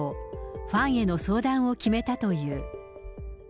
ファンへの相談を決めたという。